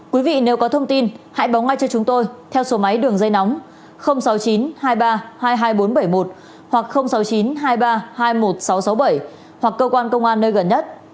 quý vị nếu có thông tin hãy báo ngay cho chúng tôi theo số máy đường dây nóng sáu mươi chín hai mươi ba hai mươi hai nghìn bốn trăm bảy mươi một hoặc sáu mươi chín hai mươi ba hai mươi một nghìn sáu trăm sáu mươi bảy hoặc cơ quan công an nơi gần nhất